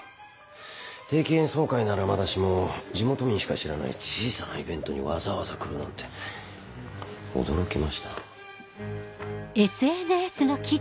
定期演奏会ならまだしも地元民しか知らない小さなイベントにわざわざ来るなんて驚きました。